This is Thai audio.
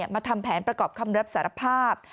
มาทำแผนประกอบคำรับสารภาพ